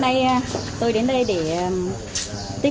sẵn sàng nhận nhiệm vụ